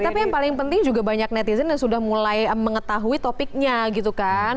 tapi yang paling penting juga banyak netizen yang sudah mulai mengetahui topiknya gitu kan